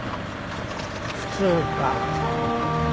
普通か。